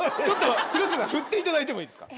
広末さん振っていただいてもいいですか？